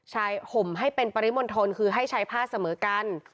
ห่มให้เป็นปริมณฑลคือให้ใช้ผ้าเสมอกัน